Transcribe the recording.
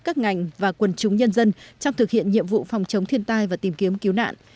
các ngành và quần chúng nhân dân trong thực hiện nhiệm vụ phòng chống thiên tai và tìm kiếm cứu nạn